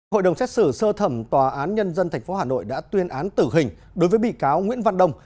hội đồng xét xử sơ thẩm tòa án nhân dân tp hà nội đã tuyên án tử hình đối với bị cáo nguyễn văn đông